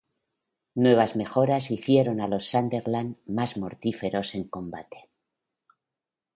Nuevas mejoras hicieron a los Sunderland más mortíferos en combate.